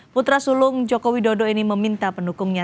putra sulung joko widodo ini meminta pendukungnya